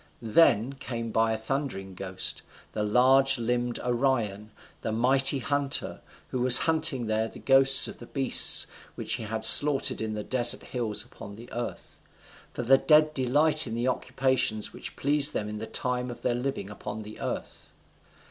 Then came by a thundering ghost, the large limbed Orion, the mighty hunter, who was hunting there the ghosts of the beasts which he had slaughtered in desert hills upon the earth. For the dead delight in the occupations which pleased them in the time of their living upon the earth.